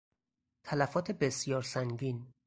تلفات بسیار سنگین